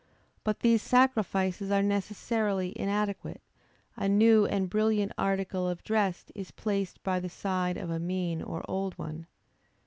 But these sacrifices are necessarily inadequate; a new and brilliant article of dress is placed by the side of a mean or old one.